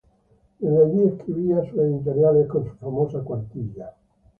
Desde allí escribía sus editoriales con su famosa cuartilla.